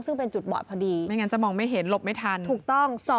ซึ่งเป็นจุดบอดเหมือนกันจะไม่เห็นหลบไม่ทัน